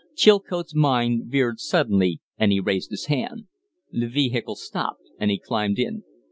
Chilcote's mind veered suddenly and he raised his hand. The vehicle stopped and he climbed in.